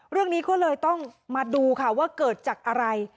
เรื่องนี้ก็เลยต้องมาดูค่ะว่าเกิดจากอะไร